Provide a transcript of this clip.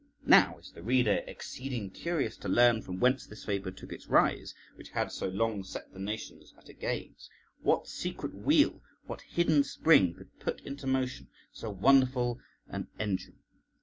Now is the reader exceeding curious to learn from whence this vapour took its rise, which had so long set the nations at a gaze? What secret wheel, what hidden spring, could put into motion so wonderful an engine?